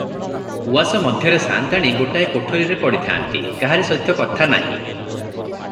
ଉଆସ ମଧ୍ୟରେ ସାଆନ୍ତାଣୀ ଗୋଟାଏ କୋଠରୀରେ ପଡ଼ିଥାନ୍ତି, କାହାରି ସହିତ କଥା ନାହିଁ ।